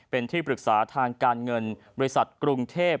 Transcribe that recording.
เป็นที่ปรึกษาทางการเงินบริษัทกรุงเทพ